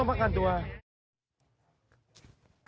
พาไปไหนอ่ะพี่